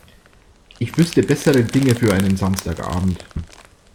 Ich wüsste bessere Dinge für einen Samstagabend.